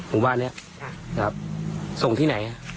หมู่บ้านนี้ส่งที่ไหน